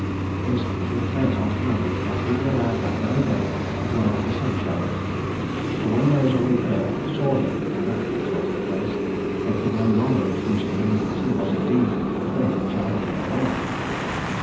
Instantly Phaëton demanded that he be allowed that very day to drive the sun chariot; for when those on the earth saw him in that exalted place, they could no longer refuse to believe that he was indeed the favored child of Apollo.